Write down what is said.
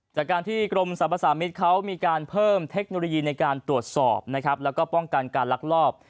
จากการที่กรมสรรพสามิตรเขามีการเพิ่มเทคโนโลยีในการตรวจสอบนะครับแล้วก็ป้องกันการลักลอบ